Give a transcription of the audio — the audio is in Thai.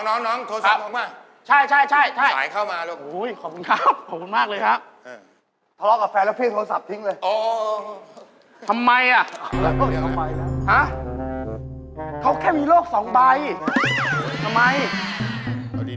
น้องน้องโทรศัพท์มันมาเหรอส่ายเข้ามาลูกใช่